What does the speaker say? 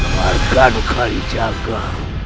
bagaimana kau dijaga